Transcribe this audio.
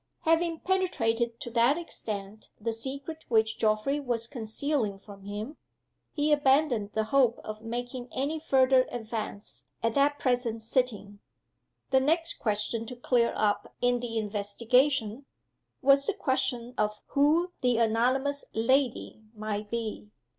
Having penetrated to that extent the secret which Geoffrey was concealing from him, he abandoned the hope of making any further advance at that present sitting. The next question to clear up in the investigation, was the question of who the anonymous "lady" might be.